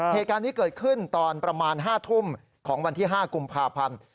เหตุการณ์นี้เกิดขึ้นตอนประมาณ๕ทุ่มของวันที่๕กุมภาพันธ์